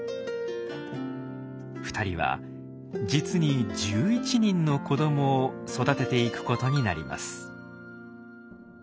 ２人は実に１１人の子どもを育てていくことになります。